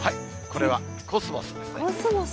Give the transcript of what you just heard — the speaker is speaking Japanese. これはコスモスですね。